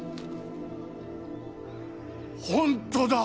本当だ！